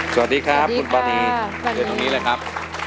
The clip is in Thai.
สวัสดีครับคุณปานียืนตรงนี้เลยครับ